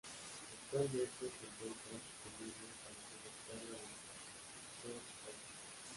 Actualmente se encuentra disponible para su descarga en SourceForge.